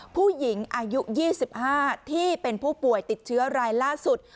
ผู้หญิงอายุ๒๕ที่เป็นผู้ป่วยติดเชื้อรายล่าสุด